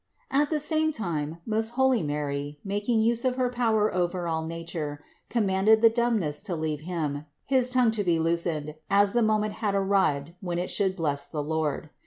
At the same time most holy Mary, making use of her power over all nature, commanded the dumbness to leave him, his tongue to be loosened, as the moment had arrived when it should bless the Lord.